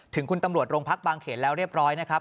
ถึงคุณตำรวจโรงพักบางเขตแล้วเรียบร้อยนะครับ